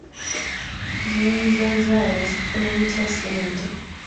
Bizinensi za zzaala zikola zitya ssente?